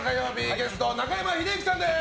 ゲストは中山秀征さんです！